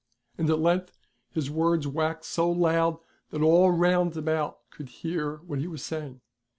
And at length his words waxed so loud that all those round about could hear what he was saying.